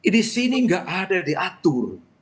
di sini nggak ada diatur